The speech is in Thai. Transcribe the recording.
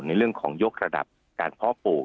ในเรื่องของยกระดับการเพาะปลูก